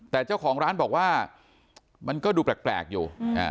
แต่เจ้าของร้านบอกว่ามันก็ดูแปลกอยู่